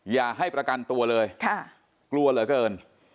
อย่าให้ประกันตัวเลยกลัวเหลือเกิน